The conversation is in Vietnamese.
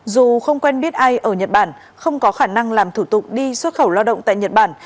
dù không quen biết ai ở nhật bản không có khả năng làm thủ tục đi xuất khẩu lao động tại nhật bản